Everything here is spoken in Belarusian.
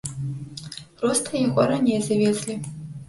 Проста яго раней завезлі.